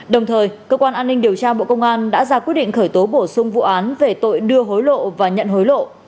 đồng thời cơ quan an ninh điều tra bộ công an đã ra quyết định khởi tố bổ sung vụ án về tội đưa hối lộ và nhận hối lộ